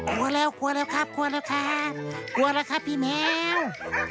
กลัวแล้วครับแล้วครับว่าแล้วข้าพี่แมว